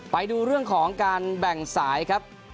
ไปดูเรื่องของการแบ่งสายครับ